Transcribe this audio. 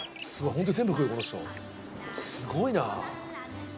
ホント全部食うこの人すごいな。